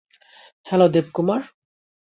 Hello, Debkumar?